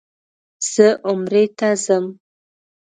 زه عمرې ته ځم.